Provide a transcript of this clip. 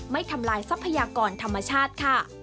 ทำลายทรัพยากรธรรมชาติค่ะ